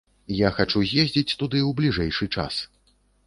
Я хачу з'ездзіць туды ў бліжэйшы час.